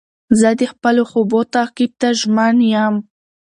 زه د خپلو خوبو تعقیب ته ژمن یم.